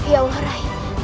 ya allah rai